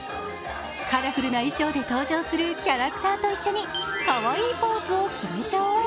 カラフルな衣装で登場するキャラクターと一緒にかわいいポーズを決めちゃおう。